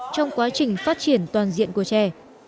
trong quá trình phát triển toàn diện của trẻ